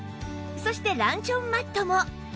そしてランチョンマットも